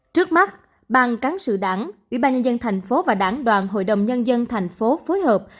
trước mắt ban cán sự đảng ủy ban nhân dân thành phố và đảng đoàn hội đồng nhân dân thành phố phối hợp